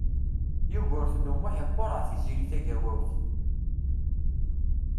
Yugurten U Muḥ iqureɛ Tiziri Tagawawt.